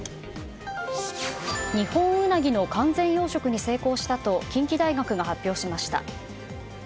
ニホンウナギの完全養殖に成功したと近畿大学が発表しました。